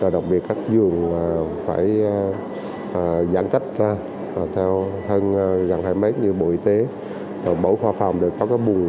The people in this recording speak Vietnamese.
đặc biệt các vườn phải giãn cách ra theo gần hai mét như bộ y tế bộ khoa phòng được có cái bùng